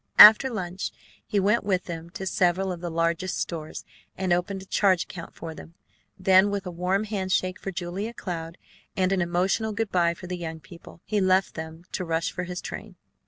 After lunch he went with them to several of the largest stores, and opened a charge account for them. Then, with a warm hand shake for Julia Cloud and an emotional good by for the young people, he left them to rush for his train.